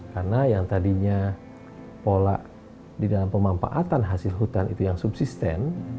karena yang tadinya pola di dalam pemampauan hasil hutan itu yang subsisten